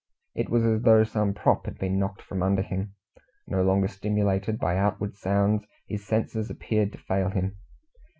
It was as though some prop had been knocked from under him. No longer stimulated by outward sounds, his senses appeared to fail him.